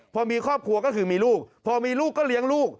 พอมีครอบครัวก็คือมีลูกพอมีลูกก็เลี้ยงลูก